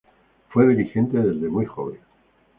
Fue dirigente desde muy joven.